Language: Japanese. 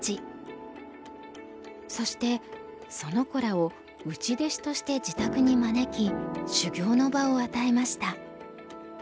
そしてその子らを内弟子として自宅に招き修業の場を与えました。